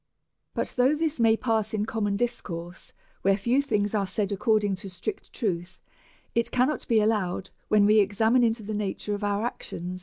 But though this may pass in common discourse, where few things are said according to strict truth, it cannot be allowed when we examine into the nature of our ac tions.